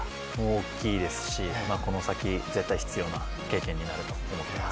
大きいですし、この先、絶対に必要になる経験だと思います。